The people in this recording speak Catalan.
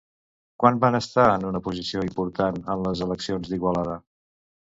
Quan va estar en una posició important en les eleccions d'Igualada?